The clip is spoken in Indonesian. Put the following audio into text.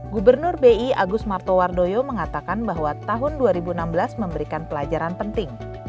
gubernur bi agus martowardoyo mengatakan bahwa tahun dua ribu enam belas memberikan pelajaran penting